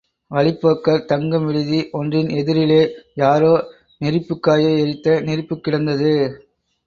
வழிப்போக்கர் தங்கும் விடுதி ஒன்றின் எதிரிலே, யாரோ நெருப்புக்காய எரித்த நெருப்புக் கிடந்தது.